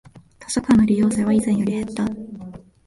図書館の利用者は以前より減った